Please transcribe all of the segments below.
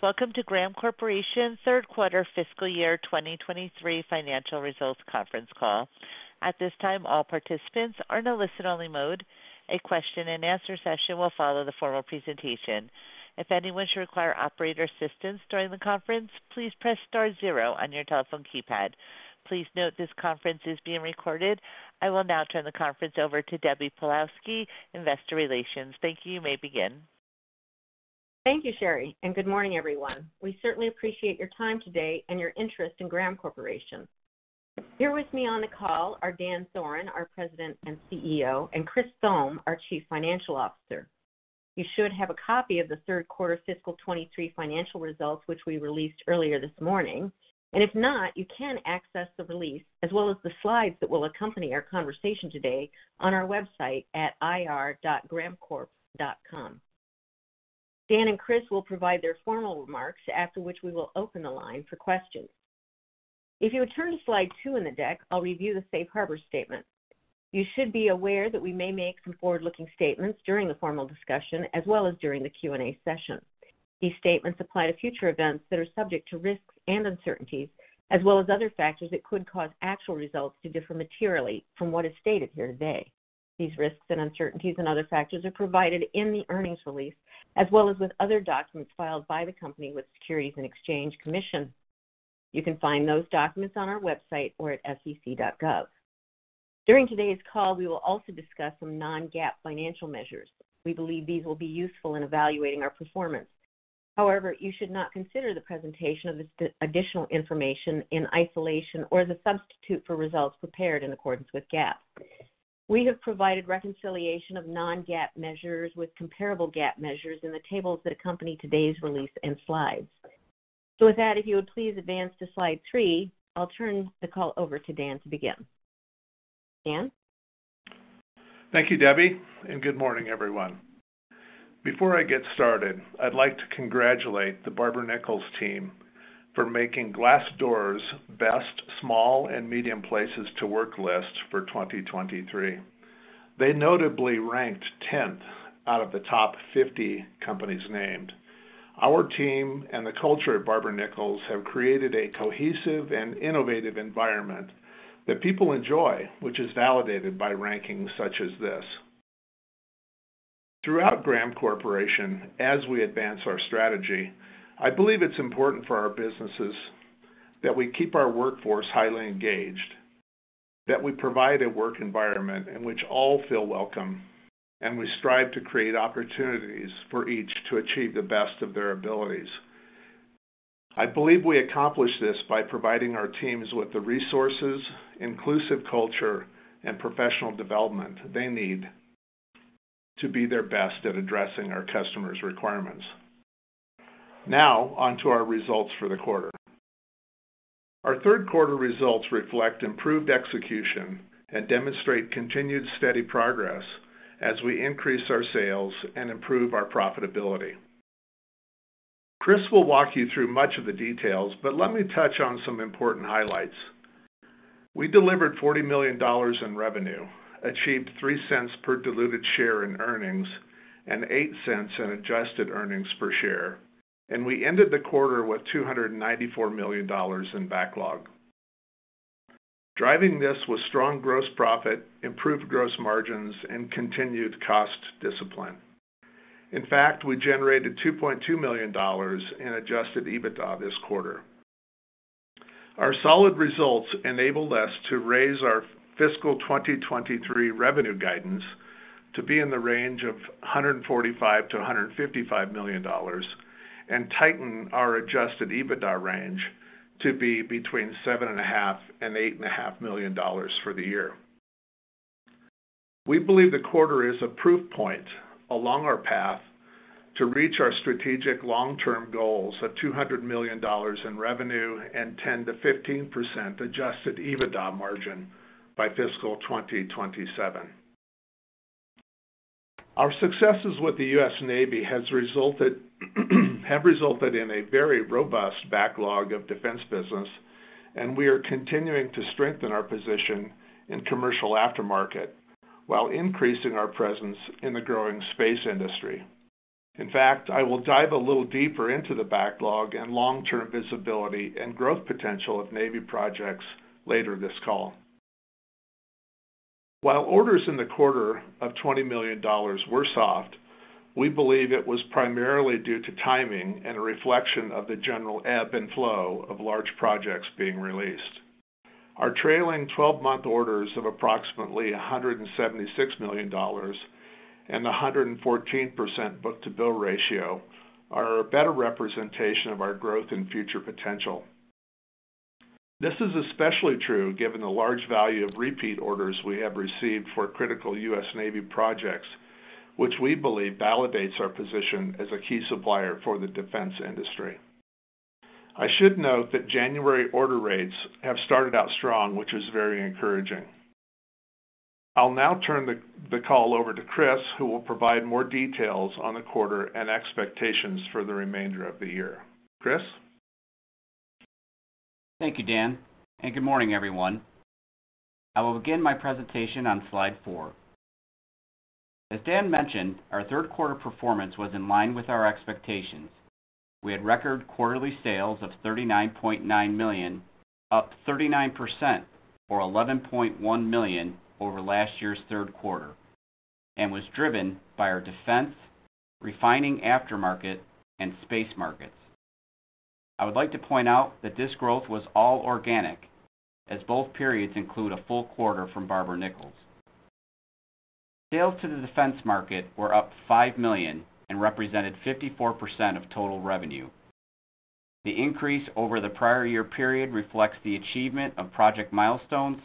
Welcome to Graham Corporation Third Quarter Fiscal Year 2023 Financial Results Conference Call. At this time, all participants are in a listen-only mode. A question-and-answer session will follow the formal presentation. If anyone should require operator assistance during the conference, please press star zero on your telephone keypad. Please note this conference is being recorded. I will now turn the conference over to Deborah Pawlowski, Investor Relations. Thank you. You may begin. Thank you, Sherry. Good morning, everyone. We certainly appreciate your time today and your interest in Graham Corporation. Here with me on the call are Dan Thoren, our President and CEO, and Chris Thome, our Chief Financial Officer. You should have a copy of the third quarter fiscal 23 financial results which we released earlier this morning. If not, you can access the release as well as the slides that will accompany our conversation today on our website at ir.grahamcorp.com. Dan and Chris will provide their formal remarks, after which we will open the line for questions. If you would turn to slide two in the deck, I'll review the safe harbor statement. You should be aware that we may make some forward-looking statements during the formal discussion as well as during the Q&A session. These statements apply to future events that are subject to risks and uncertainties as well as other factors that could cause actual results to differ materially from what is stated here today. These risks and uncertainties and other factors are provided in the earnings release as well as with other documents filed by the company with Securities and Exchange Commission. You can find those documents on our website or at sec.gov. During today's call, we will also discuss some non-GAAP financial measures. We believe these will be useful in evaluating our performance. However, you should not consider the presentation of this additional information in isolation or as a substitute for results prepared in accordance with GAAP. We have provided reconciliation of non-GAAP measures with comparable GAAP measures in the tables that accompany today's release and slides. With that, if you would please advance to slide three, I'll turn the call over to Dan to begin. Dan? Thank you, Debbie, and good morning, everyone. Before I get started, I'd like to congratulate the Barber-Nichols team for making Glassdoor's best small and medium places to work list for 2023. They notably ranked 10th out of the top 50 companies named. Our team and the culture at Barber-Nichols have created a cohesive and innovative environment that people enjoy, which is validated by rankings such as this. Throughout Graham Corporation, as we advance our strategy, I believe it's important for our businesses that we keep our workforce highly engaged, that we provide a work environment in which all feel welcome, and we strive to create opportunities for each to achieve the best of their abilities. I believe we accomplish this by providing our teams with the resources, inclusive culture, and professional development they need to be their best at addressing our customers' requirements. On to our results for the quarter. Our third quarter results reflect improved execution and demonstrate continued steady progress as we increase our sales and improve our profitability. Chris will walk you through much of the details, let me touch on some important highlights. We delivered $40 million in revenue, achieved $0.03 per diluted share in earnings, and $0.08 in adjusted earnings per share, we ended the quarter with $294 million in backlog. Driving this was strong gross profit, improved gross margins, and continued cost discipline. In fact, we generated $2.2 million in Adjusted EBITDA this quarter. Our solid results enabled us to raise our fiscal 2023 revenue guidance to be in the range of $145 million-$155 million and tighten our Adjusted EBITDA range to be between $7.5 million and $8.5 million for the year. We believe the quarter is a proof point along our path to reach our strategic long-term goals of $200 million in revenue and 10%-15% Adjusted EBITDA margin by fiscal 2027. Our successes with the U.S. Navy have resulted in a very robust backlog of defense business. We are continuing to strengthen our position in commercial aftermarket while increasing our presence in the growing space industry. In fact, I will dive a little deeper into the backlog and long-term visibility and growth potential of Navy projects later this call. While orders in the quarter of $20 million were soft, we believe it was primarily due to timing and a reflection of the general ebb and flow of large projects being released. Our trailing twelve-month orders of approximately $176 million and the 114% book-to-bill ratio are a better representation of our growth and future potential. This is especially true given the large value of repeat orders we have received for critical U.S. Navy projects, which we believe validates our position as a key supplier for the defense industry. I should note that January order rates have started out strong, which is very encouraging. I'll now turn the call over to Chris, who will provide more details on the quarter and expectations for the remainder of the year. Chris? Thank you, Dan. Good morning, everyone. I will begin my presentation on slide four. As Dan mentioned, our third quarter performance was in line with our expectations. We had record quarterly sales of $39.9 million, up 39% or $11.1 million over last year's third quarter, and was driven by our defense, refining aftermarket, and space markets. I would like to point out that this growth was all organic as both periods include a full quarter from Barber-Nichols. Sales to the defense market were up $5 million and represented 54% of total revenue. The increase over the prior year period reflects the achievement of project milestones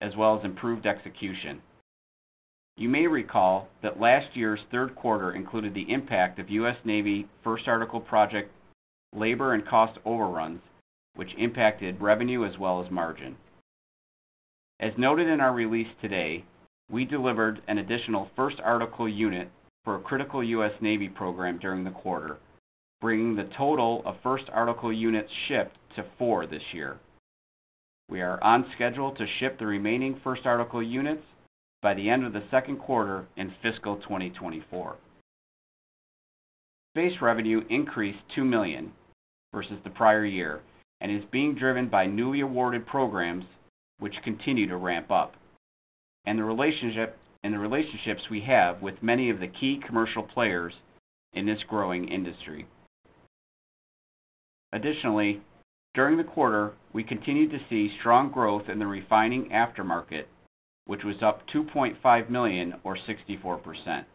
as well as improved execution. You may recall that last year's third quarter included the impact of U.S. Navy first article project labor and cost overruns, which impacted revenue as well as margin. As noted in our release today, we delivered an additional first article unit for a critical U.S. Navy program during the quarter, bringing the total of first article units shipped to four this year. We are on schedule to ship the remaining first article units by the end of the second quarter in fiscal 2024. Space revenue increased $2 million versus the prior year and is being driven by newly awarded programs which continue to ramp up, and the relationships we have with many of the key commercial players in this growing industry. Additionally, during the quarter, we continued to see strong growth in the refining aftermarket, which was up $2.5 million or 64%.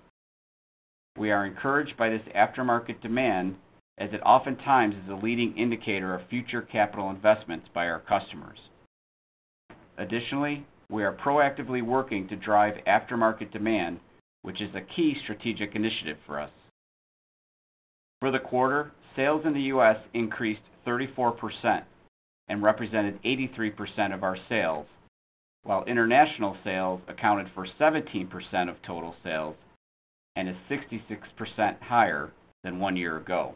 We are encouraged by this aftermarket demand as it oftentimes is a leading indicator of future capital investments by our customers. Additionally, we are proactively working to drive aftermarket demand, which is a key strategic initiative for us. For the quarter, sales in the U.S. increased 34% and represented 83% of our sales, while international sales accounted for 17% of total sales and is 66% higher than one year ago.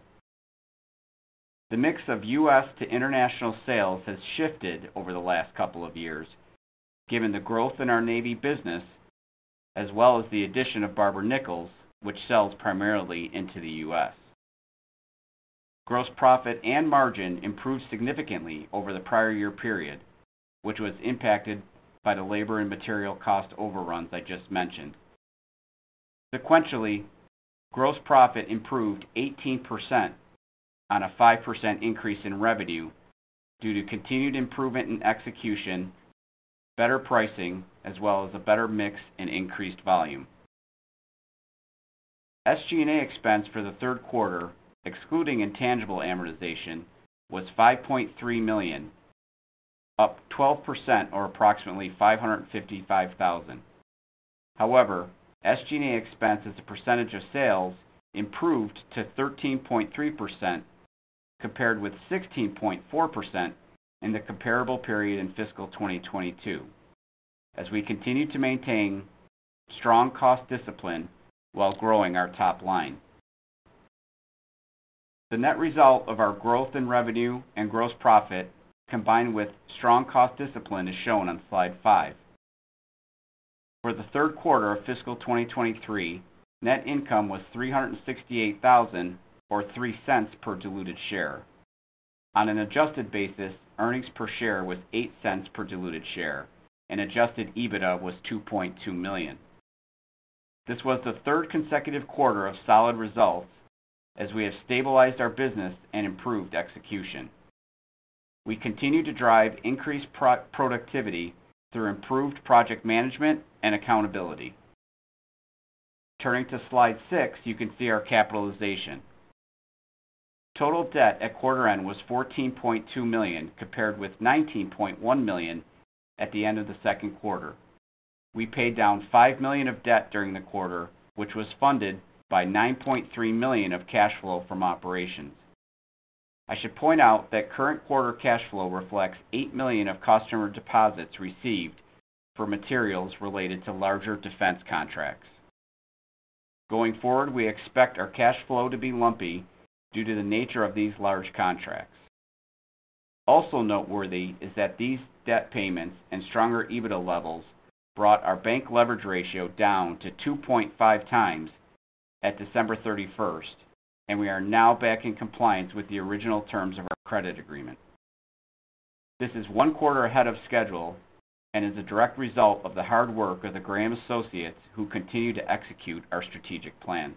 The mix of U.S. to international sales has shifted over the last couple of years, given the growth in our Navy business, as well as the addition of Barber-Nichols, which sells primarily into the U.S. Gross profit and margin improved significantly over the prior year period, which was impacted by the labor and material cost overruns I just mentioned. Sequentially, gross profit improved 18% on a 5% increase in revenue due to continued improvement in execution, better pricing, as well as a better mix and increased volume. SG&A expense for the third quarter, excluding intangible amortization, was $5.3 million, up 12% or approximately $555,000. SG&A expense as a percentage of sales improved to 13.3% compared with 16.4% in the comparable period in fiscal 2022 as we continue to maintain strong cost discipline while growing our top line. The net result of our growth in revenue and gross profit, combined with strong cost discipline, is shown on slide five. For the third quarter of fiscal 2023, net income was $368,000 or $0.03 per diluted share. On an adjusted basis, earnings per share was $0.08 per diluted share, and Adjusted EBITDA was $2.2 million. This was the third consecutive quarter of solid results as we have stabilized our business and improved execution. We continue to drive increased pro-productivity through improved project management and accountability. Turning to slide six, you can see our capitalization. Total debt at quarter end was $14.2 million, compared with $19.1 million at the end of the second quarter. We paid down $5 million of debt during the quarter, which was funded by $9.3 million of cash flow from operations. I should point out that current quarter cash flow reflects $8 million of customer deposits received for materials related to larger defense contracts. Going forward, we expect our cash flow to be lumpy due to the nature of these large contracts. Also noteworthy is that these debt payments and stronger EBITDA levels brought our bank leverage ratio down to 2.5x at December 31st, and we are now back in compliance with the original terms of our credit agreement. This is one quarter ahead of schedule and is a direct result of the hard work of the Graham associates who continue to execute our strategic plan.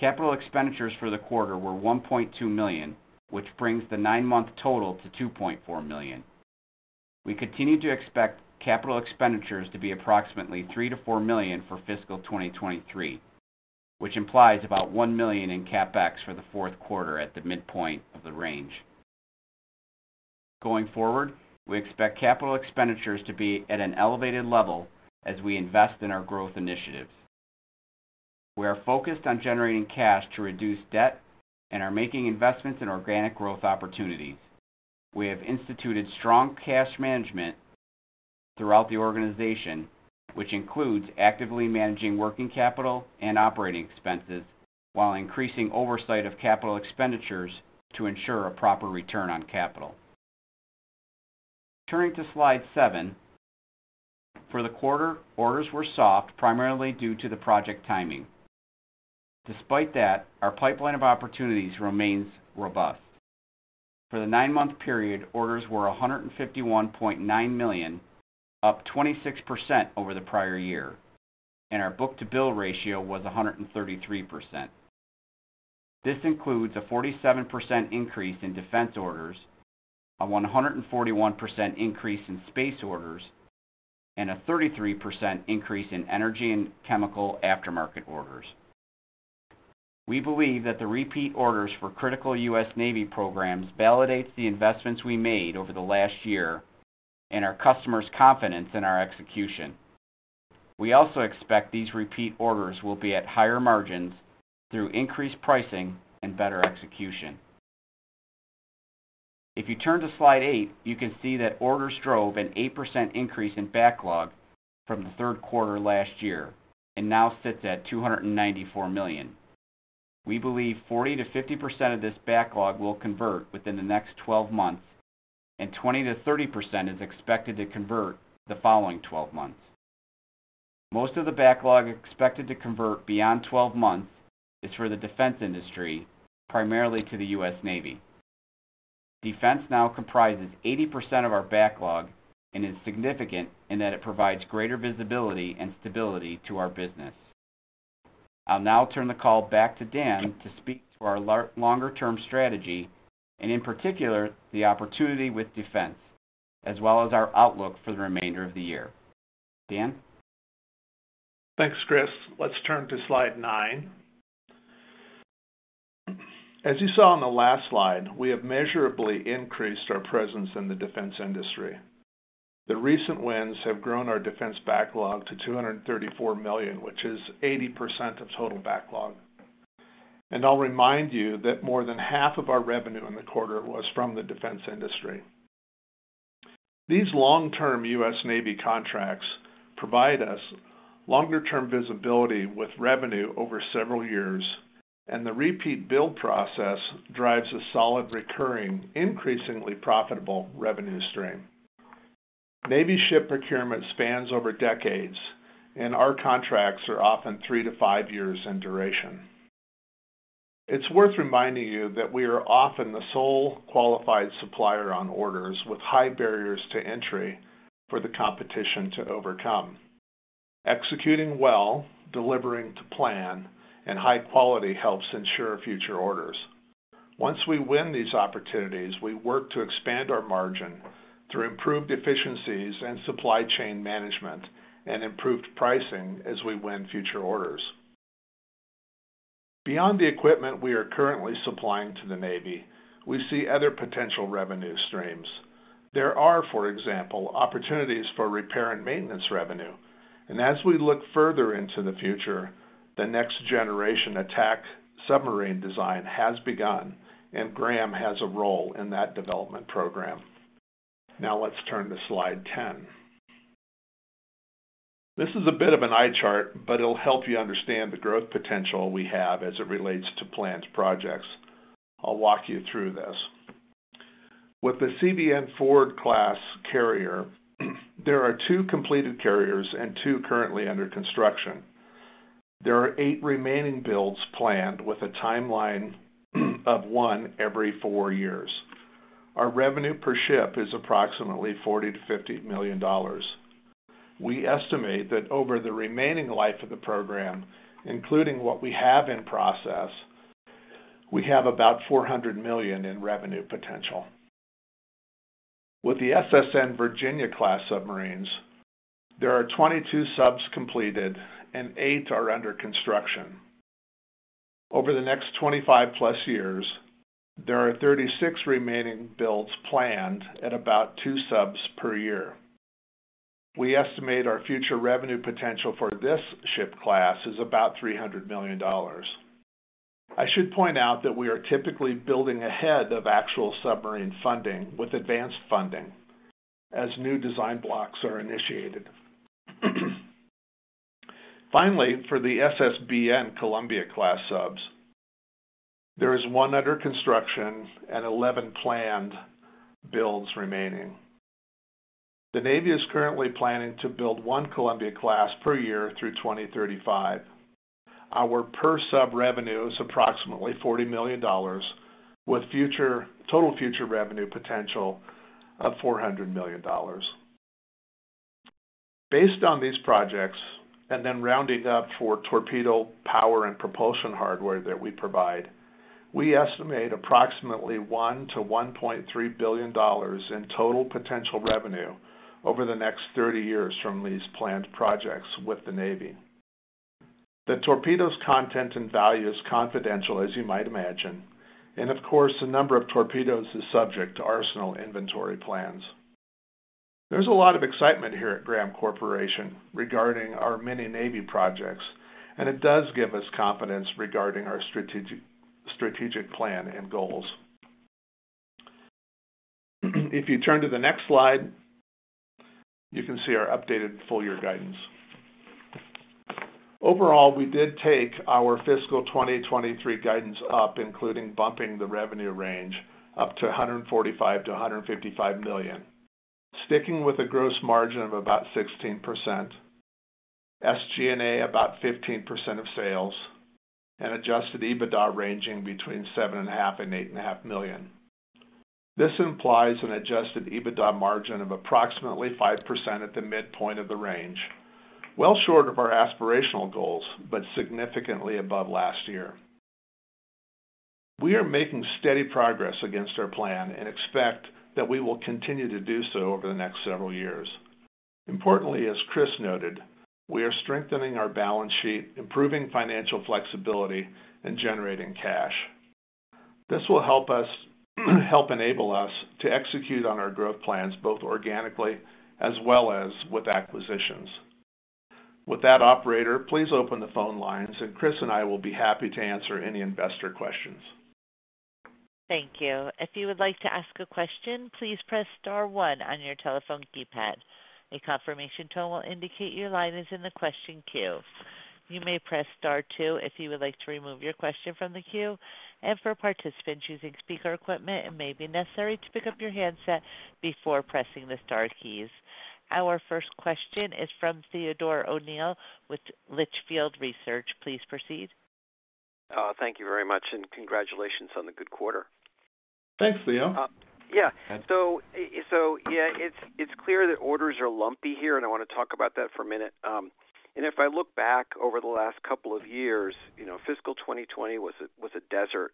Capital expenditures for the quarter were $1.2 million, which brings the nine-month total to $2.4 million. We continue to expect capital expenditures to be approximately $3 million-$4 million for fiscal 2023, which implies about $1 million in CapEx for the fourth quarter at the midpoint of the range. Going forward, we expect capital expenditures to be at an elevated level as we invest in our growth initiatives. We are focused on generating cash to reduce debt and are making investments in organic growth opportunities. We have instituted strong cash management throughout the organization, which includes actively managing working capital and operating expenses while increasing oversight of capital expenditures to ensure a proper return on capital. Turning to slide seven, for the quarter, orders were soft primarily due to the project timing. Despite that, our pipeline of opportunities remains robust. For the nine-month period, orders were $151.9 million, up 26% over the prior year, and our book-to-bill ratio was 133%. This includes a 47% increase in defense orders, a 141% increase in space orders, and a 33% increase in energy and chemical aftermarket orders. We believe that the repeat orders for critical U.S. Navy programs validates the investments we made over the last year and our customers' confidence in our execution. We also expect these repeat orders will be at higher margins through increased pricing and better execution. If you turn to slide eight, you can see that orders drove an 8% increase in backlog from the third quarter last year and now sits at $294 million. We believe 40%-50% of this backlog will convert within the next 12 months, and 20%-30% is expected to convert the following 12 months. Most of the backlog expected to convert beyond 12 months is for the defense industry, primarily to the U.S. Navy. Defense now comprises 80% of our backlog and is significant in that it provides greater visibility and stability to our business. I'll now turn the call back to Dan to speak to our longer-term strategy and, in particular, the opportunity with Defense, as well as our outlook for the remainder of the year. Dan? Thanks, Chris. Let's turn to slide nine. As you saw on the last slide, we have measurably increased our presence in the defense industry. The recent wins have grown our defense backlog to $234 million, which is 80% of total backlog. I'll remind you that more than half of our revenue in the quarter was from the defense industry. These long-term U.S. Navy contracts provide us longer-term visibility with revenue over several years, and the repeat build process drives a solid, recurring, increasingly profitable revenue stream. Navy ship procurement spans over decades, and our contracts are often three-five years in duration. It's worth reminding you that we are often the sole qualified supplier on orders with high barriers to entry for the competition to overcome. Executing well, delivering to plan, and high quality helps ensure future orders. Once we win these opportunities, we work to expand our margin through improved efficiencies and supply chain management and improved pricing as we win future orders. Beyond the equipment we are currently supplying to the Navy, we see other potential revenue streams. There are, for example, opportunities for repair and maintenance revenue. As we look further into the future, the next generation attack submarine design has begun, and Graham has a role in that development program. Let's turn to slide 10. This is a bit of an eye chart, but it'll help you understand the growth potential we have as it relates to planned projects. I'll walk you through this. With the CVN Ford-class carrier, there are two completed carriers and two currently under construction. There are eight remaining builds planned with a timeline of one every four years. Our revenue per ship is approximately $40 million-$50 million. We estimate that over the remaining life of the program, including what we have in process, we have about $400 million in revenue potential. With the SSN Virginia-class submarines, there are 22 subs completed and 8 are under construction. Over the next 25+ years, there are 36 remaining builds planned at about two subs per year. We estimate our future revenue potential for this ship class is about $300 million. I should point out that we are typically building ahead of actual submarine funding with advanced funding as new design blocks are initiated. Finally, for the SSBN Columbia-class subs, there is one under construction and 11 planned builds remaining. The Navy is currently planning to build one Columbia-class per year through 2035. Our per sub revenue is approximately $40 million with total future revenue potential of $400 million. Based on these projects, rounding up for torpedo power and propulsion hardware that we provide, we estimate approximately $1 billion-$1.3 billion in total potential revenue over the next 30 years from these planned projects with the Navy. The torpedoes content and value is confidential, as you might imagine, of course, the number of torpedoes is subject to arsenal inventory plans. There's a lot of excitement here at Graham Corporation regarding our many-Navy projects, it does give us confidence regarding our strategic plan and goals. If you turn to the next slide, you can see our updated full year guidance. Overall, we did take our fiscal 2023 guidance up, including bumping the revenue range up to $145 million-$155 million. Sticking with a gross margin of about 16%, SG&A about 15% of sales and Adjusted EBITDA ranging between $7.5 million and $8.5 million. This implies an Adjusted EBITDA margin of approximately 5% at the midpoint of the range. Well, short of our aspirational goals, but significantly above last year. We are making steady progress against our plan and expect that we will continue to do so over the next several years. Importantly, as Chris noted, we are strengthening our balance sheet, improving financial flexibility and generating cash. This will help us, help enable us to execute on our growth plans, both organically as well as with acquisitions. With that operator, please open the phone lines and Chris and I will be happy to answer any investor questions. Thank you. If you would like to ask a question, please press star one on your telephone keypad. A confirmation tone will indicate your line is in the question queue. You may press star two if you would like to remove your question from the queue. For participants using speaker equipment, it may be necessary to pick up your handset before pressing the star keys. Our first question is from Theodore O'Neill with Litchfield Research. Please proceed. Thank you very much, and congratulations on the good quarter. Thanks, Leo. Yeah, it's clear that orders are lumpy here, and I wanna talk about that for a minute. If I look back over the last couple of years, you know, fiscal 2020 was a desert,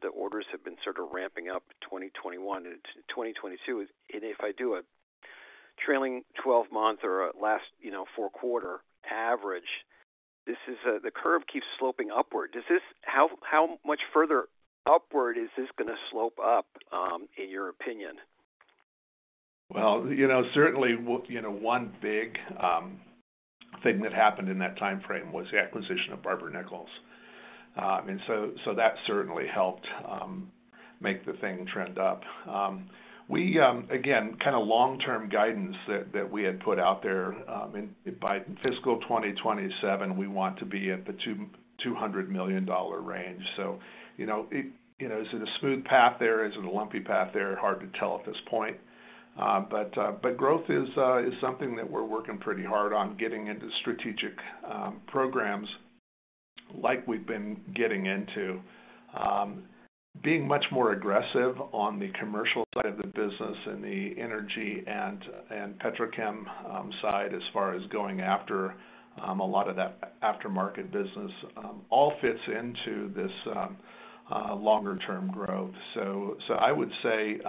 the orders have been sort of ramping up, 2021 and 2022. If I do a trailing 12-month or a last, you know, four quarter average, this is, the curve keeps sloping upward. How much further upward is this gonna slope up in your opinion? You know, certainly you know, one big thing that happened in that timeframe was the acquisition of Barber-Nichols. That certainly helped make the thing trend up. We, again, kinda long-term guidance that we had put out there, by fiscal 2027, we want to be at the $200 million range. You know, it, you know, is it a smooth path there? Is it a lumpy path there? Hard to tell at this point. Growth is something that we're working pretty hard on getting into strategic programs like we've been getting into, being much more aggressive on the commercial side of the business and the energy and petrochem side as far as going after a lot of that aftermarket business, all fits into this longer term growth. I would say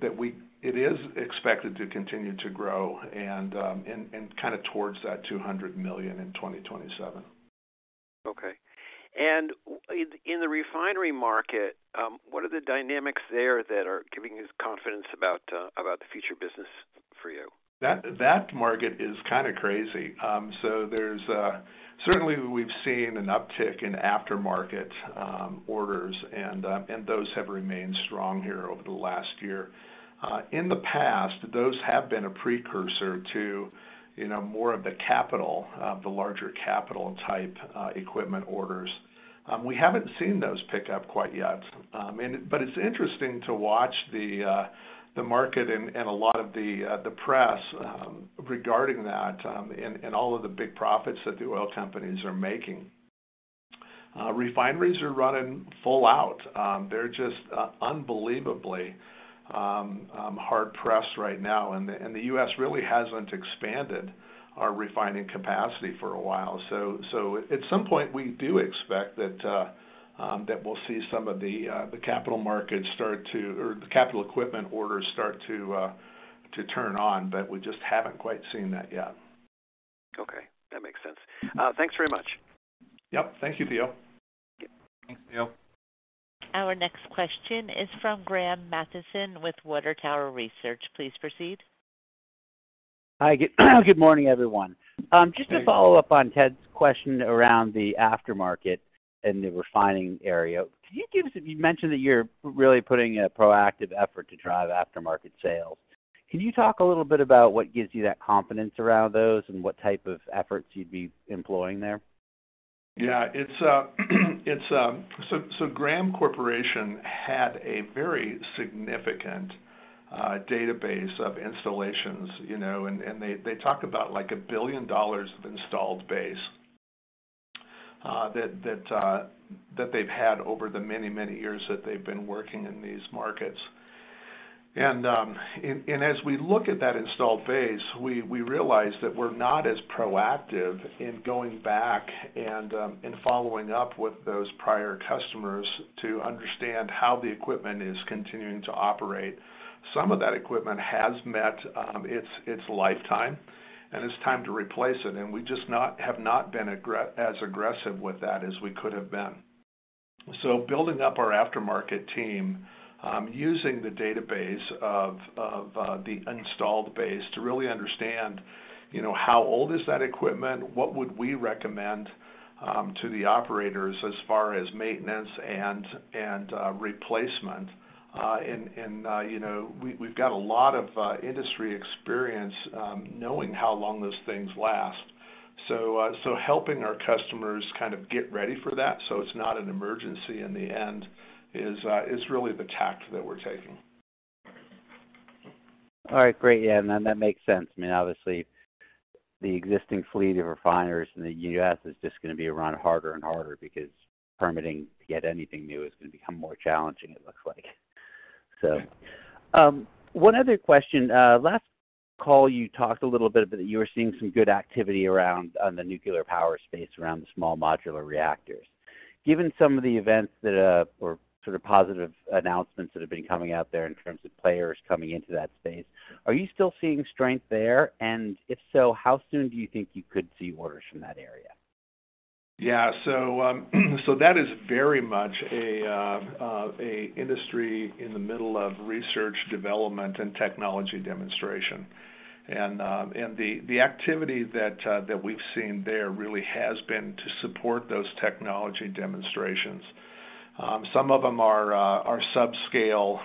that it is expected to continue to grow and kinda towards that $200 million in 2027. Okay. In the refinery market, what are the dynamics there that are giving you confidence about the future business for you? That market is kind of crazy. There's certainly we've seen an uptick in aftermarket orders and those have remained strong here over the last year. In the past, those have been a precursor to, you know, more of the capital, the larger capital type equipment orders. We haven't seen those pick up quite yet. It's interesting to watch the market and a lot of the press regarding that and all of the big profits that the oil companies are making. Refineries are running full out. They're just unbelievably hard pressed right now. The U.S. really hasn't expanded our refining capacity for a while. At some point, we do expect that we'll see some of the capital markets start to, or the capital equipment orders start to turn on. We just haven't quite seen that yet. Okay, that makes sense. Thanks very much. Yep. Thank you, Theo. Thank you. Our next question is from Graham Mattison with Water Tower Research. Please proceed. Hi. Good morning, everyone. Hi. Just to follow up on Ted's question around the aftermarket and the refining area. You mentioned that you're really putting a proactive effort to drive aftermarket sales. Can you talk a little bit about what gives you that confidence around those and what type of efforts you'd be employing there? Yeah, it's. Graham Corporation had a very significant database of installations, you know. They talk about, like, $1 billion of installed base that they've had over the many, many years that they've been working in these markets. As we look at that installed base, we realize that we're not as proactive in going back and following up with those prior customers to understand how the equipment is continuing to operate. Some of that equipment has met its lifetime, and it's time to replace it. We just have not been as aggressive with that as we could have been. Building up our aftermarket team, using the database of the installed base to really understand. You know, how old is that equipment? What would we recommend, to the operators as far as maintenance and, replacement? You know, we've got a lot of, industry experience, knowing how long those things last. Helping our customers kind of get ready for that, so it's not an emergency in the end is really the tact that we're taking. All right, great. Yeah. That makes sense. I mean, obviously the existing fleet of refiners in the U.S. is just gonna be run harder and harder because permitting to get anything new is gonna become more challenging, it looks like. One other question. Last call, you talked a little bit that you were seeing some good activity around on the nuclear power space, around the small modular reactors. Given some of the events that or sort of positive announcements that have been coming out there in terms of players coming into that space, are you still seeing strength there? If so, how soon do you think you could see orders from that area? That is very much a industry in the middle of research development and technology demonstration. The activity that we've seen there really has been to support those technology demonstrations. Some of them are subscale,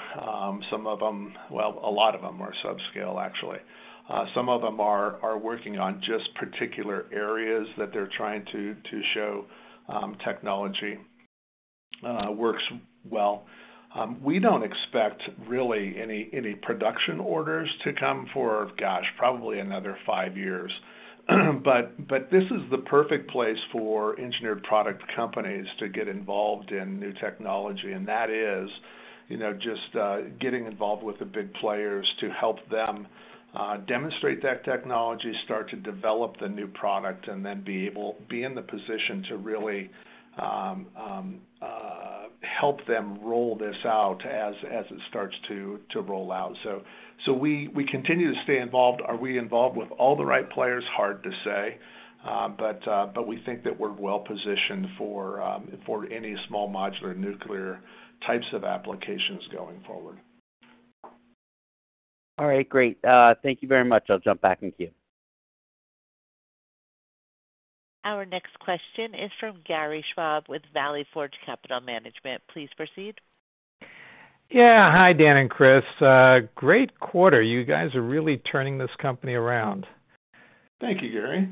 well, a lot of them are subscale actually. Some of them are working on just particular areas that they're trying to show technology works well. We don't expect really any production orders to come for, gosh, probably another five years. This is the perfect place for engineered product companies to get involved in new technology. That is, you know, just getting involved with the big players to help them demonstrate that technology, start to develop the new product, and then be able... Be in the position to really help them roll this out as it starts to roll out. We continue to stay involved. Are we involved with all the right players? Hard to say. We think that we're well-positioned for any small modular nuclear types of applications going forward. All right, great. Thank you very much. I'll jump back in queue. Our next question is from Gary Schwab with Valley Forge Capital Management. Please proceed. Yeah. Hi, Dan and Chris. Great quarter. You guys are really turning this company around. Thank you, Gary.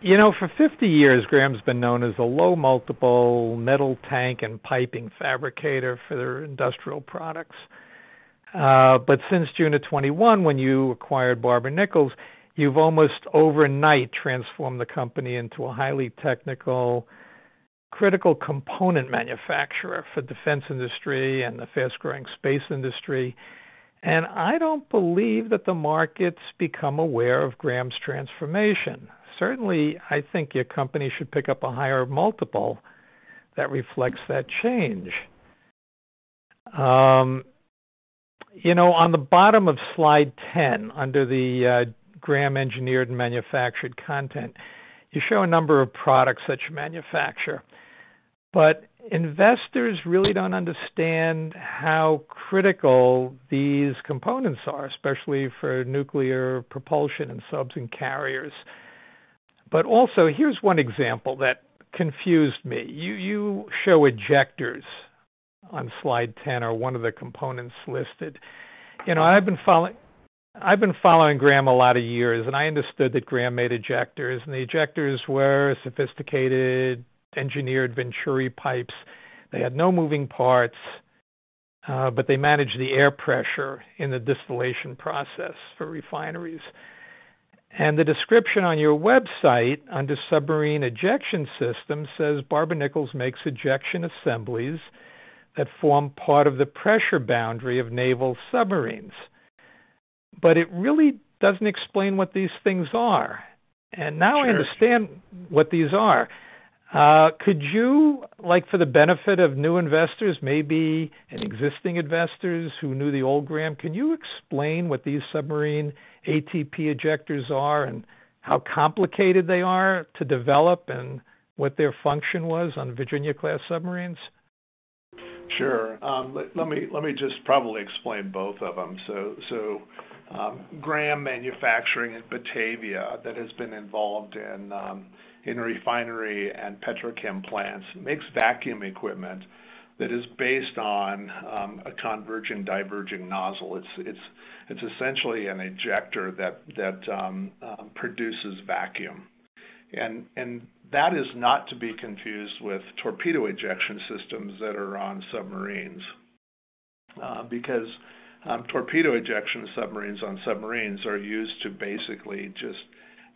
You know, for 50 years, Graham's been known as a low multiple metal tank and piping fabricator for their industrial products. Since June of 2021, when you acquired Barber-Nichols, you've almost overnight transformed the company into a highly technical, critical component manufacturer for defense industry and the fast-growing space industry. I don't believe that the market's become aware of Graham's transformation. Certainly, I think your company should pick up a higher multiple that reflects that change. You know, on the bottom of slide 10, under the Graham engineered manufactured content, you show a number of products that you manufacture. Investors really don't understand how critical these components are, especially for nuclear propulsion in subs and carriers. Also, here's one example that confused me. You show ejectors on slide 10 are one of the components listed. You know, I've been following Graham a lot of years, I understood that Graham made ejectors, the ejectors were sophisticated, engineered Venturi pipes. They had no moving parts, they managed the air pressure in the distillation process for refineries. The description on your website under Submarine Ejection Systems says Barber-Nichols makes ejection assemblies that form part of the pressure boundary of naval submarines. It really doesn't explain what these things are. Sure. Now I understand what these are. Could you, like, for the benefit of new investors, maybe and existing investors who knew the old Graham, can you explain what these submarine ATP ejectors are and how complicated they are to develop and what their function was on Virginia-class submarines? Sure. Let me just probably explain both of them. Graham Manufacturing in Batavia that has been involved in refinery and petrochem plants makes vacuum equipment that is based on a convergent-divergent nozzle. It's essentially an ejector that produces vacuum. That is not to be confused with torpedo ejection systems that are on submarines because torpedo ejection submarines on submarines are used to basically just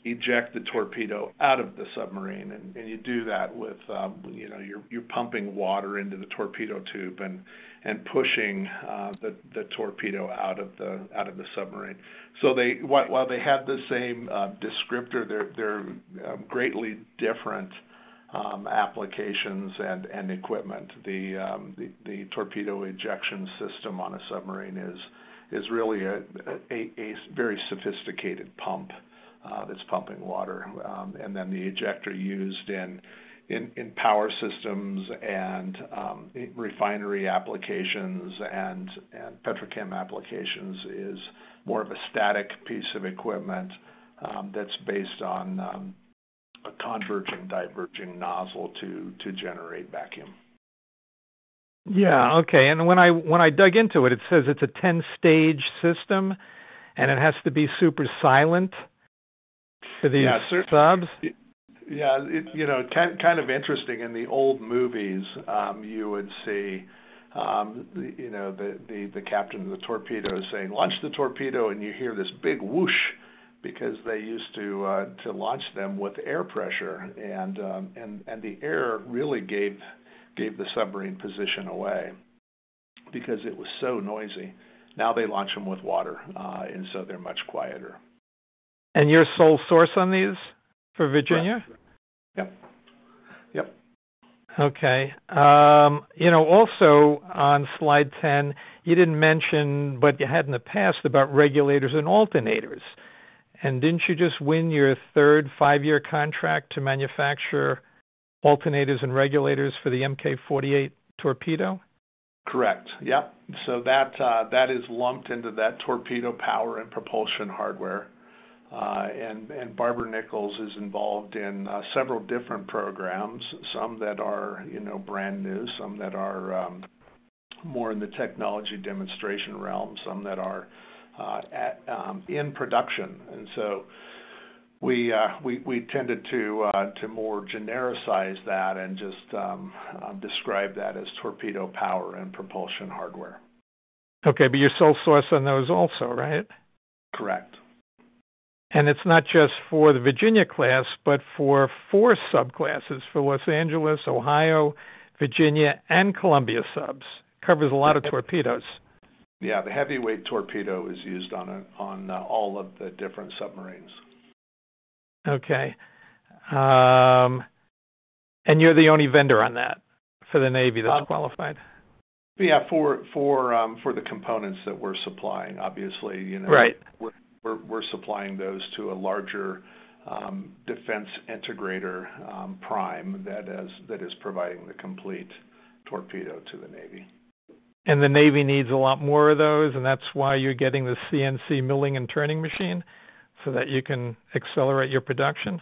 eject the torpedo out of the submarine. You do that with, you know, pumping water into the torpedo tube and pushing the torpedo out of the submarine. While they have the same descriptor, they're greatly different applications and equipment. The torpedo ejection system on a submarine is really a very sophisticated pump. That's pumping water. The ejector used in power systems and in refinery applications and petrochem applications is more of a static piece of equipment that's based on a convergent-divergent nozzle to generate vacuum. Yeah. Okay. When I dug into it says it's a 10-stage system, and it has to be super silent for these subs. Yeah. You know, kind of interesting in the old movies, you would see, you know, the captain of the torpedo saying, "Launch the torpedo," and you hear this big whoosh because they used to launch them with air pressure, and the air really gave the submarine position away because it was so noisy. Now they launch them with water, and so they're much quieter. You're sole source on these for Virginia? Yep. Yep. Okay. you know, also on slide 10, you didn't mention, but you had in the past about regulators and alternators. Didn't you just win your third five-year contract to manufacture alternators and regulators for the MK-48 torpedo? Correct. Yep. That is lumped into that torpedo power and propulsion hardware. Barber-Nichols is involved in several different programs. Some that are, you know, brand new, some that are more in the technology demonstration realm, some that are at in production. We tended to more genericize that and just describe that as torpedo power and propulsion hardware. Okay, you're sole source on those also, right? Correct. It's not just for the Virginia-class, but for four subclasses: for Los Angeles-class, Ohio-class, Virginia-class and Columbia-class subs. Covers a lot of torpedoes. Yeah. The heavyweight torpedo is used on all of the different submarines. Okay. You're the only vendor on that for the Navy that's qualified? Yeah. For the components that we're supplying, obviously, you know... Right.... we're supplying those to a larger defense integrator, prime that is providing the complete torpedo to the Navy. The Navy needs a lot more of those, and that's why you're getting the CNC milling and turning machine, so that you can accelerate your production?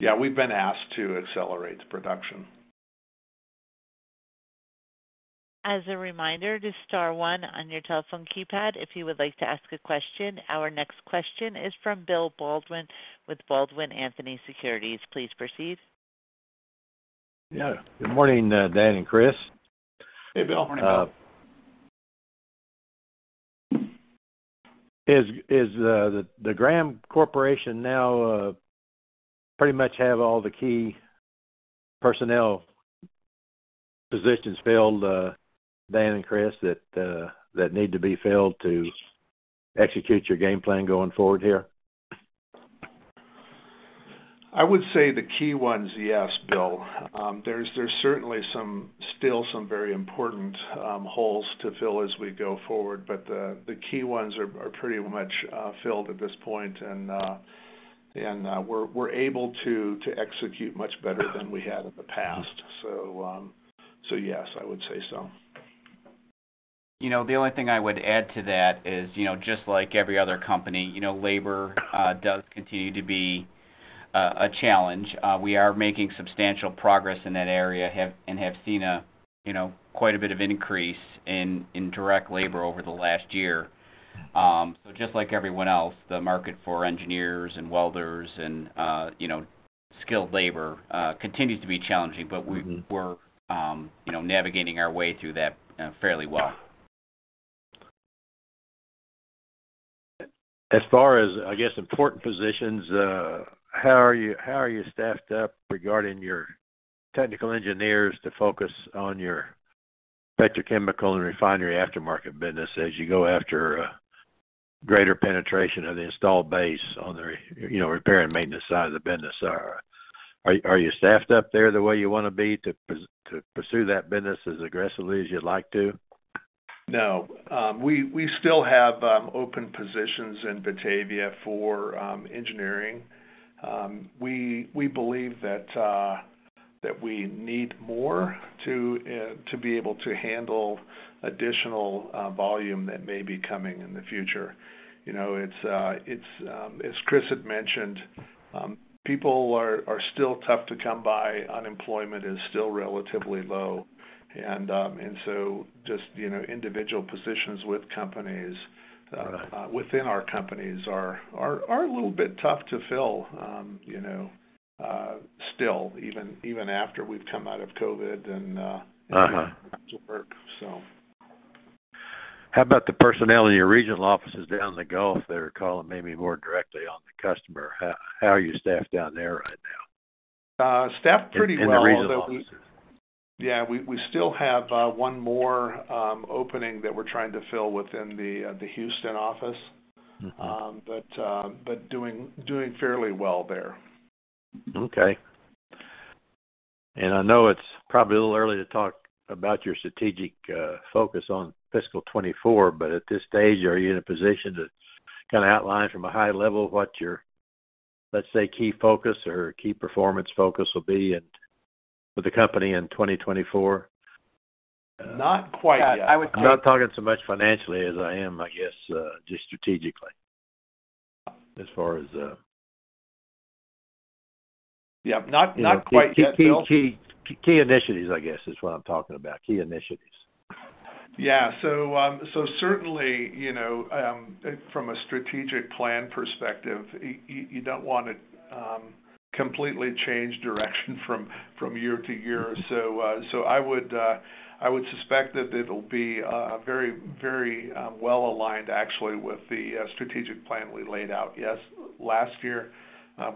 Yeah, we've been asked to accelerate production. As a reminder to star one on your telephone keypad if you would like to ask a question. Our next question is from Bill Baldwin with Baldwin Anthony Securities. Please proceed. Yeah. Good morning, Dan and Chris. Hey, Bill. Morning. Is the Graham Corporation now pretty much have all the key personnel positions filled, Dan and Chris, that need to be filled to execute your game plan going forward here? I would say the key ones, yes, Bill. There's certainly some, still some very important, holes to fill as we go forward, but the key ones are pretty much filled at this point. We're able to execute much better than we had in the past. Yes, I would say so. You know, the only thing I would add to that is, you know, just like every other company, you know, labor does continue to be a challenge. We are making substantial progress in that area and have seen a, you know, quite a bit of increase in direct labor over the last year. Just like everyone else, the market for engineers and welders and, you know, skilled labor continues to be challenging. Mm-hmm.... we're, you know, navigating our way through that, fairly well. As far as, I guess, important positions, how are you staffed up regarding your technical engineers to focus on your petrochemical and refinery aftermarket business as you go after a greater penetration of the installed base on the, you know, repair and maintenance side of the business? Are you staffed up there the way you wanna be to pursue that business as aggressively as you'd like to? No. We still have open positions in Batavia for engineering. We believe that we need more to be able to handle additional volume that may be coming in the future. You know, it's as Chris had mentioned, people are still tough to come by. Unemployment is still relatively low. Just, you know, individual positions with companies within our companies are a little bit tough to fill, you know, still, even after we've come out of COVID and- Uh-huh.... work, so. How about the personnel in your regional offices down in the Gulf? They're calling maybe more directly on the customer. How are you staffed down there right now? Staffed pretty well- In the regional offices. Yeah. We still have 1 more opening that we're trying to fill within the Houston office. Mm-hmm. Doing fairly well there. Okay. I know it's probably a little early to talk about your strategic focus on fiscal 24, but at this stage, are you in a position to kinda outline from a high level what your, let's say, key focus or key performance focus will be for the company in 2024? Not quite yet. I would say. I'm not talking so much financially as I am, I guess, just strategically as far as. Yeah. Not quite yet, Bill... you know, key initiatives, I guess, is what I'm talking about. Key initiatives. Yeah. Certainly, you know, from a strategic plan perspective, you don't wanna completely change direction from year-to-year. I would, I would suspect that it'll be very, very well-aligned actually with the strategic plan we laid out, yes, last year.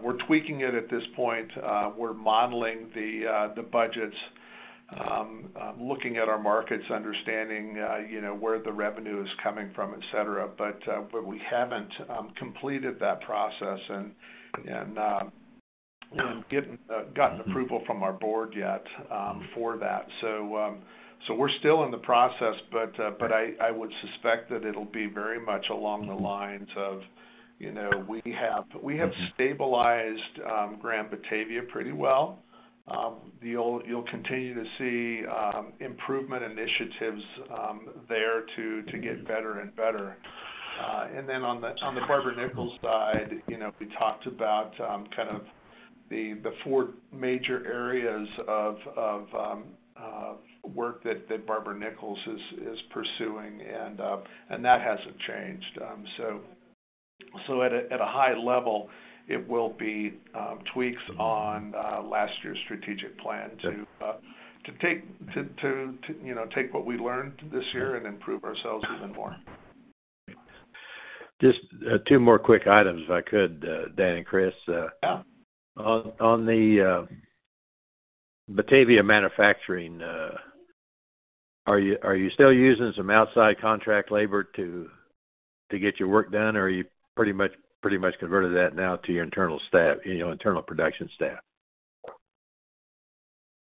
We're tweaking it at this point. We're modeling the budgets, looking at our markets, understanding, you know, where the revenue is coming from, et cetera. We haven't completed that process and gotten approval from our board yet for that. We're still in the process, but I would suspect that it'll be very much along the lines of, you know, we have stabilized Graham Batavia pretty well. You'll continue to see improvement initiatives there to get better and better. On the Barber-Nichols side, you know, we talked about kind of the four major areas of work that Barber-Nichols is pursuing and that hasn't changed. At a high level, it will be tweaks on last year's strategic plan to take what we learned this year and improve ourselves even more. Just, two more quick items if I could, Dan and Chris. Yeah. On the Batavia manufacturing, are you still using some outside contract labor to get your work done, or you pretty much converted that now to your internal staff, you know, internal production staff?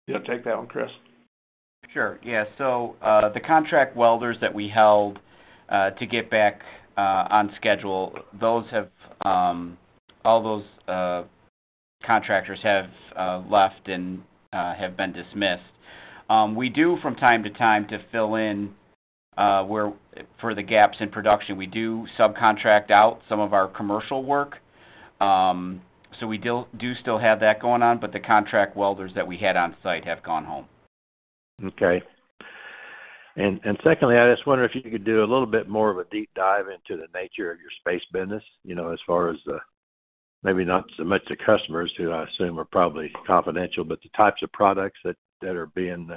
You wanna take that one, Chris? Sure. Yeah. The contract welders that we held to get back on schedule, those have all those contractors have left and have been dismissed. We do from time to time to fill in where for the gaps in production, we do subcontract out some of our commercial work. We do still have that going on, but the contract welders that we had on site have gone home. Okay. Secondly, I just wonder if you could do a little bit more of a deep dive into the nature of your space business, you know, as far as maybe not so much the customers, who I assume are probably confidential, but the types of products that are being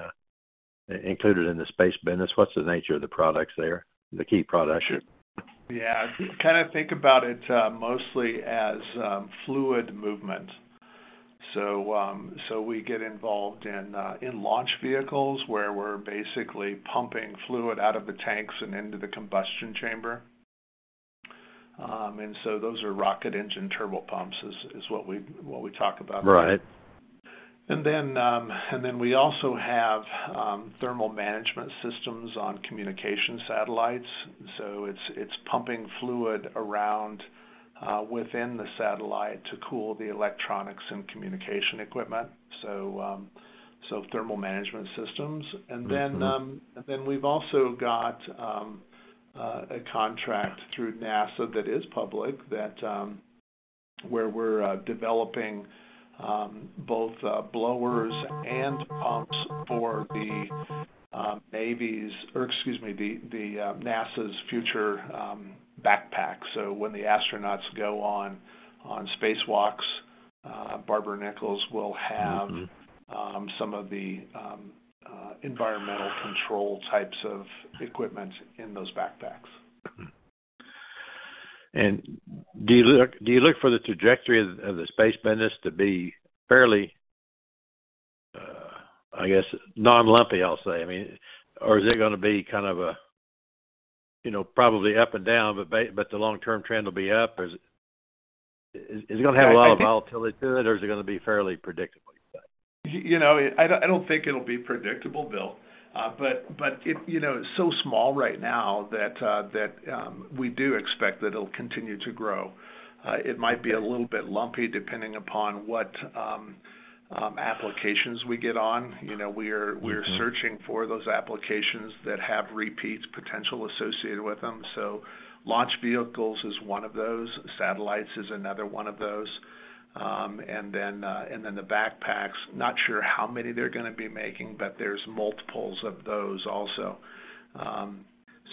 included in the space business. What's the nature of the products there, the key products? Sure. Yeah. Kinda think about it mostly as fluid movement. We get involved in launch vehicles where we're basically pumping fluid out of the tanks and into the combustion chamber. Those are Rocket Engine Turbopumps is what we talk about. Right. We also have thermal management systems on communication satellites, so it's pumping fluid around, within the satellite to cool the electronics and communication equipment, so thermal management systems. Mm-hmm. We've also got a contract through NASA that is public that, where we're developing both blowers and pumps for the Navy's... or excuse me, the NASA's future backpacks. So when the astronauts go on spacewalks, Barber-Nichols will have. Mm-hmm... some of the environmental control types of equipment in those backpacks. Mm-hmm. Do you look for the trajectory of the space business to be fairly, I guess non-lumpy, I'll say? I mean? Is it gonna be kind of a, you know, probably up and down, but the long term trend will be up? Is it gonna have a lot of volatility to it or is it gonna be fairly predictable, you say? You know, I don't think it'll be predictable, Bill. It, you know, it's so small right now that we do expect that it'll continue to grow. It might be a little bit lumpy depending upon what applications we get on. You know, we are searching for those applications that have repeat potential associated with them. Launch vehicles is one of those. Satellites is another one of those. The backpacks, not sure how many they're gonna be making, but there's multiples of those also.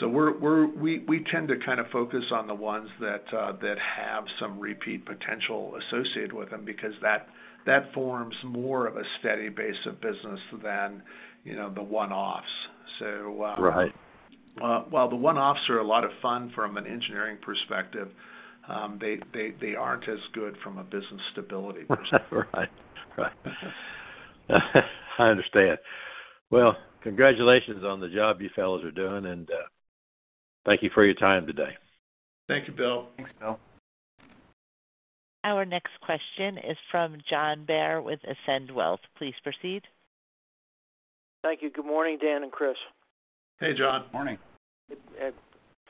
We tend to kind of focus on the ones that have some repeat potential associated with them because that forms more of a steady base of business than, you know, the one-offs. Right.... while the one-offs are a lot of fun from an engineering perspective, they aren't as good from a business stability perspective. Right. I understand. Well, congratulations on the job you fellows are doing, and thank you for your time today. Thank you, Bill. Thanks, Bill. Our next question is from John Bair with Ascend Wealth. Please proceed. Thank you. Good morning, Dan and Chris. Hey, John. Morning.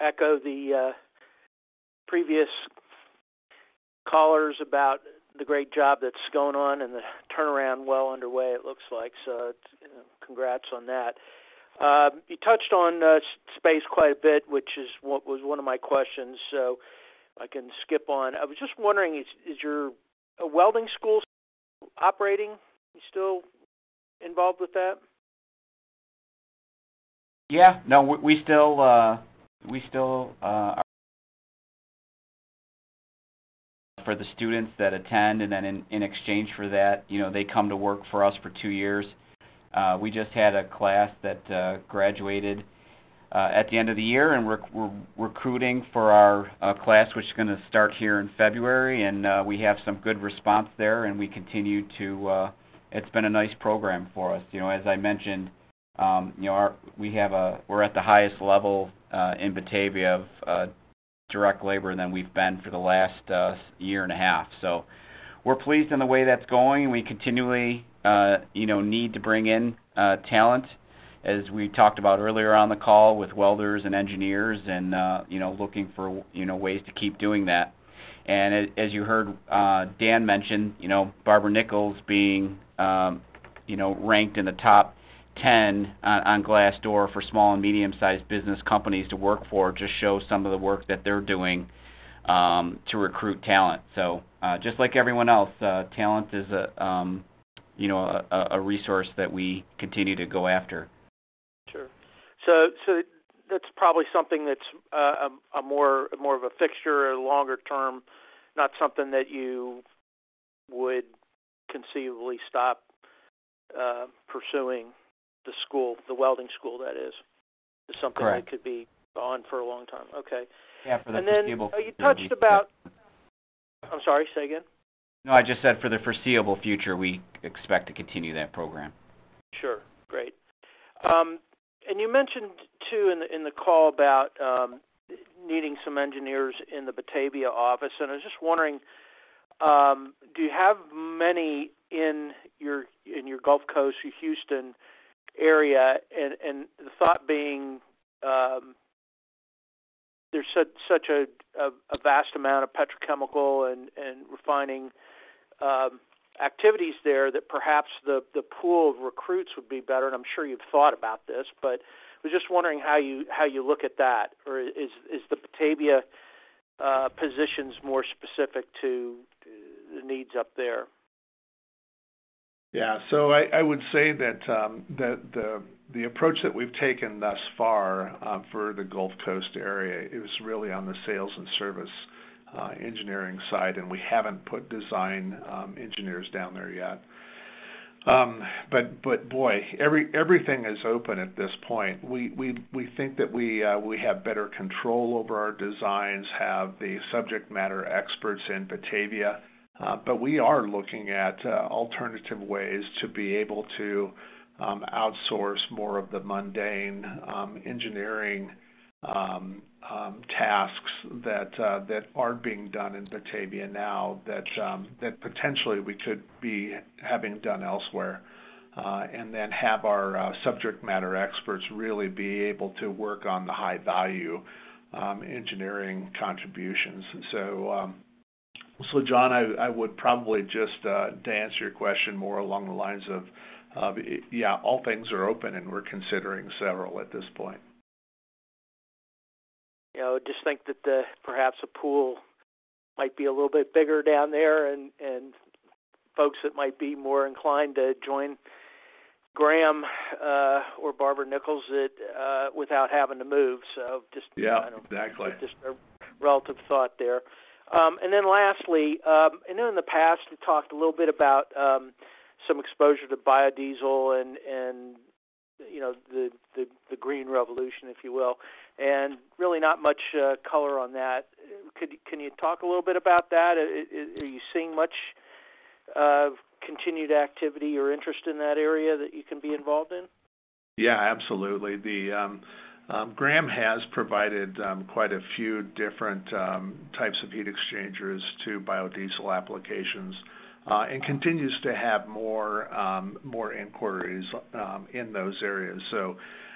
Echo the previous callers about the great job that's going on, and the turnaround well underway, it looks like. You know, congrats on that. You touched on space quite a bit, which is what was one of my questions, so I can skip on. I was just wondering, is your welding school operating? You still involved with that? Yeah. No, we still. For the students that attend, and then in exchange for that, you know, they come to work for us for two years. We just had a class that graduated at the end of the year, and we're recruiting for our class, which is gonna start here in February. We have some good response there, and we continue to. It's been a nice program for us. You know, as I mentioned, you know, our... We're at the highest level in Batavia of direct labor than we've been for the last year and a half. We're pleased in the way that's going. We continually, you know, need to bring in talent, as we talked about earlier on the call with welders and engineers and, you know, looking for ways to keep doing that. As you heard, Dan mention, you know, Barber-Nichols being, you know, ranked in the top ten on Glassdoor for small and medium-sized business companies to work for just shows some of the work that they're doing to recruit talent. Just like everyone else, talent is a, you know, a resource that we continue to go after. Sure. That's probably something that's more of a fixture longer term, not something that you would conceivably stop pursuing, the school, the welding school, that is. Correct. Just something that could be on for a long time. Okay. Yeah, for the foreseeable future. You touched about... I'm sorry. Say again? No, I just said for the foreseeable future, we expect to continue that program. Sure. Great. You mentioned, too, in the call about needing some engineers in the Batavia office. I was just wondering, do you have many in your Gulf Coast, your Houston area? The thought being, there's such a vast amount of petrochemical and refining activities there that perhaps the pool of recruits would be better, and I'm sure you've thought about this. I was just wondering how you look at that, or is the Batavia positions more specific to the needs up there? Yeah. I would say that the approach that we've taken thus far, for the Gulf Coast area is really on the sales and service, engineering side, and we haven't put design, engineers down there yet. Boy, every-everything is open at this point. We think that we have better control over our designs, have the subject matter experts in Batavia. We are looking at, alternative ways to be able to outsource more of the mundane, engineering, tasks that are being done in Batavia now that potentially we could be having done elsewhere, and then have our, subject matter experts really be able to work on the high value, engineering contributions. John, I would probably just to answer your question more along the lines of, yeah, all things are open, and we're considering several at this point. You know, just think that, perhaps a pool might be a little bit bigger down there and folks that might be more inclined to join Graham, or Barber-Nichols that, without having to move. just- Yeah, exactly. Just a relative thought there. Then lastly, I know in the past you talked a little bit about some exposure to biodiesel and, you know, the green revolution, if you will, and really not much color on that. Can you talk a little bit about that? Are you seeing much continued activity or interest in that area that you can be involved in? Yeah, absolutely. The Graham has provided quite a few different types of heat exchangers to biodiesel applications, and continues to have more inquiries in those areas.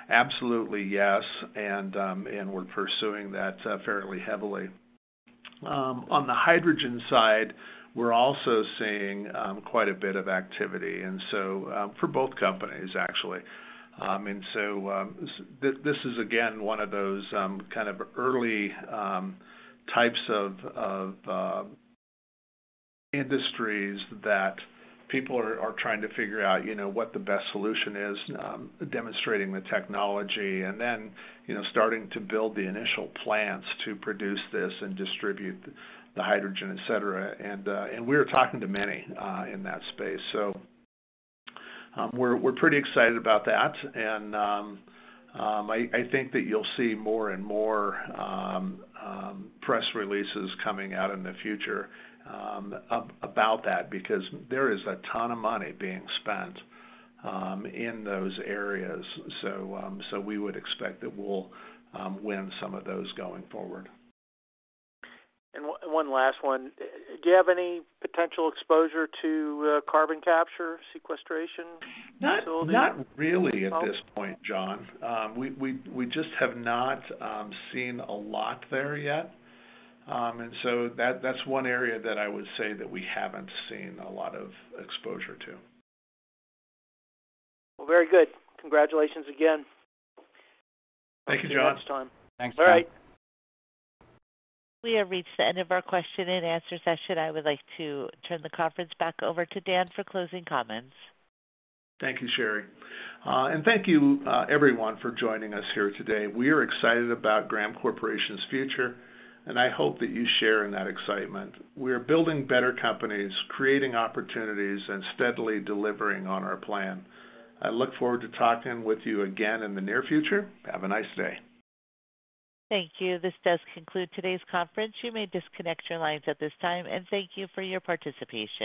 Absolutely, yes, and we're pursuing that fairly heavily. On the hydrogen side, we're also seeing quite a bit of activity, and so this is again, one of those kind of early types of industries that people are trying to figure out, you know, what the best solution is, demonstrating the technology and then, you know, starting to build the initial plants to produce this and distribute the hydrogen, et cetera. And we're talking to many in that space. So we're pretty excited about that. I think that you'll see more and more press releases coming out in the future about that because there is a ton of money being spent in those areas. We would expect that we'll win some of those going forward. One last one. Do you have any potential exposure to carbon capture sequestration facilities? Not really at this point, John. We just have not seen a lot there yet. That's one area that I would say that we haven't seen a lot of exposure to. Well, very good. Congratulations again. Thank you, John. Thanks for your time. Thanks, John. All right. We have reached the end of our question-and-answer session. I would like to turn the conference back over to Dan for closing comments. Thank you, Sherry. Thank you, everyone for joining us here today. We are excited about Graham Corporation's future, and I hope that you share in that excitement. We are building better companies, creating opportunities, and steadily delivering on our plan. I look forward to talking with you again in the near future. Have a nice day. Thank you. This does conclude today's conference. You may disconnect your lines at this time, and thank you for your participation.